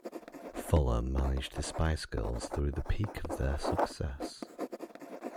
Fuller managed the Spice Girls through the peak of their success.